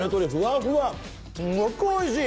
すごくおいしい！